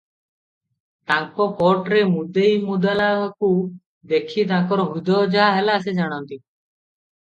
ତାଙ୍କ କୋଟ୍ରେ ମୁଦେଇ ମୁଦାଲାଙ୍କୁ ଦେଖି ତାଙ୍କର ହୃଦୟ ଯାହା ହେଲା ସେ ଜାଣନ୍ତି ।